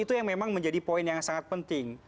itu yang memang menjadi poin yang sangat penting